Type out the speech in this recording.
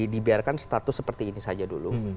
dibiarkan status seperti ini saja dulu